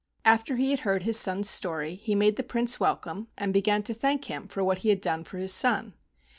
After he had heard his son's story he made the Prince welcome, and began to thank him for what he had done for his son.